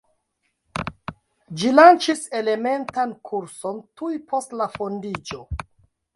Ĝi lanĉis elementan kurson tuj post la fondiĝo.